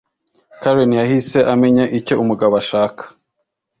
Karen yahise amenya icyo umugabo ashaka